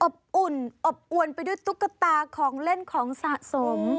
อบอุ่นอบอวนไปด้วยตุ๊กตาของเล่นของสะสม